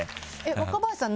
若林さん